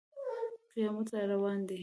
قیامت را روان دی.